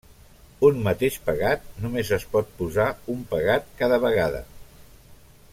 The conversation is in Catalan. Un mateix pegat només es pot posar un pegat cada vegada.